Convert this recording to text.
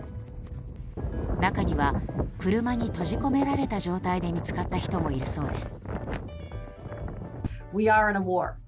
中には車に閉じ込められた状態で見つかった人もいるそうです。